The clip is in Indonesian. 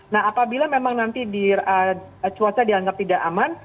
nah apabila memang nanti cuaca dianggap tidak aman